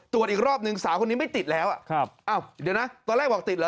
ตรวจอีกรอบหนึ่งสาวคนนี้ไม่ติดแล้วครับอ้าวเดี๋ยวนะตอนแรกบอกติดเหรอ